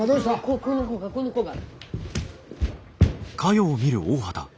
ここの子がこの子が！